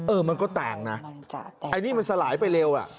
เออมันก็แตกนะอันนี้มันสลายไปเร็ว